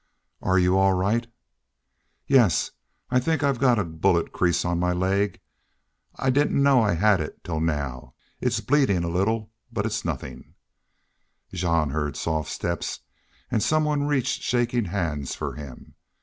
"Are you all right?" "Yes. I think I've got a bullet crease on my leg. I didn't know I had it till now.... It's bleedin' a little. But it's nothin'." Jean heard soft steps and some one reached shaking hands for him.